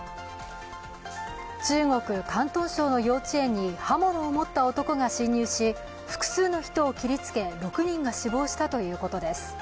中国・広東省の幼稚園に刃物を持った男が侵入し、複数の人を切りつけ、６人が死亡したということです。